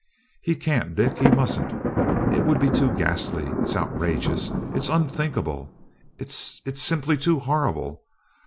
"He can't, Dick! He mustn't! It would be too ghastly! It's outrageous it's unthinkable it's it's it's simply too horrible!"